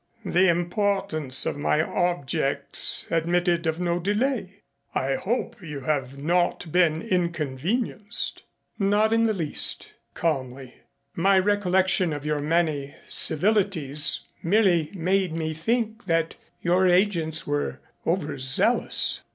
"The importance of my objects admitted of no delay. I hope you have not been inconvenienced " "Not in the least," calmly. "My recollection of your many civilities merely made me think that your agents were overzealous."